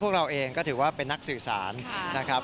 เราเองก็ถือว่าเป็นนักสื่อสารนะครับ